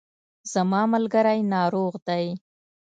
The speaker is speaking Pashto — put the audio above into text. زما ملګری ناروغ دی